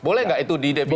boleh nggak itu di depan